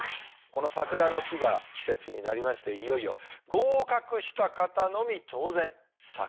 この桜の木が季節になりましていよいよ合格した方のみ当然桜咲く。